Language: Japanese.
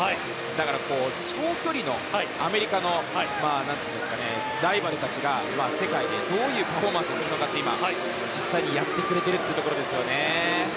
だから長距離のアメリカのライバルたちが世界でどういうパフォーマンスをするのか実際にやってくれているというところですよね。